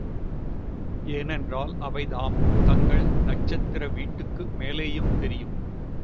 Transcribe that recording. ஏனென்றால், அவைதாம், தங்கள் நட்சத்திர வீட்டுக்கு மேலேயும் தெரியும்.